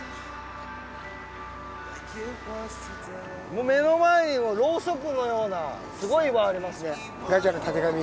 もう目の前にろうそくのようなすごい岩ありますね。